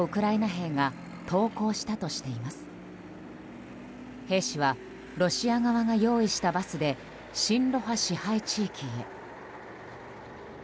兵士はロシア側が用意したバスで親露派支配地域へ。